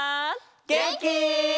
げんき？